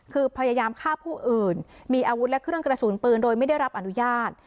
คือพยายามฆ่าผู้อื่นมีอาวุธและเครื่องกระสุนปืนโดยไม่ได้รับอนุญาต